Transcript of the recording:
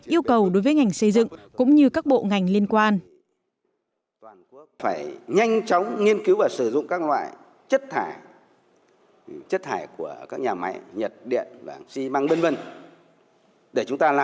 yêu cầu đối với ngành xây dựng cũng như các bộ ngành liên quan